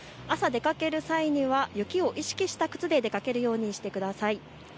朝、出かける際には雪を意識した靴で出かけるようにしてください。